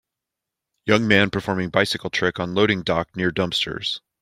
Young man performing bicycle trick on loading dock near dumpsters.